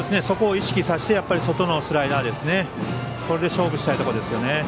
そこを意識させて外のスライダーでこれで勝負したいところですね。